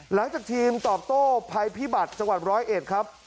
หลังจากทีมตอบโต้ภัยพิบัตรจังหวัดร้อยเอ็ดครับ